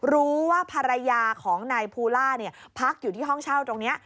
รู้ว่าภรรยาของนายภูล่าพักอยู่ที่ห้องเช่าตรงนี้